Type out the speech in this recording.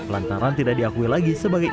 lantaran tidak diakui lagi sebagai